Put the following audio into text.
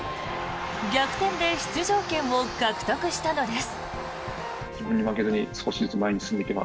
逆転で出場権を獲得したのです。